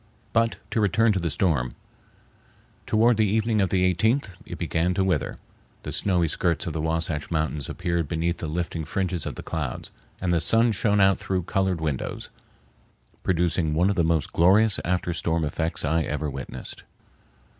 But to return to the storm. Toward the evening of the 18th it began to wither. The snowy skirts of the Wahsatch Mountains appeared beneath the lifting fringes of the clouds, and the sun shone out through colored windows, producing one of the most glorious after storm effects I ever witnessed.